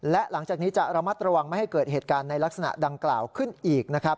และหลังจากนี้จะระมัดระวังไม่ให้เกิดเหตุการณ์ในลักษณะดังกล่าวขึ้นอีกนะครับ